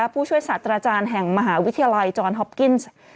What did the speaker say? ผู้ช่วยศาสตราจารย์แห่งมหาวิทยาลัยจอร์นฮอปกิ้นซ์